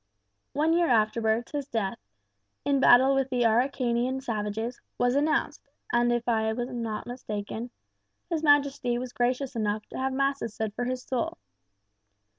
One year afterwards, his death, in battle with the Araucanian savages, was announced, and, if I am not mistaken, His Majesty was gracious enough to have masses said for his soul.